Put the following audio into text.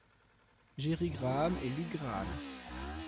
Jerry Graham et Luke Graham.